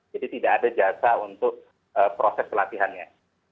jadi tidak ada jasa untuk proses pelatihannya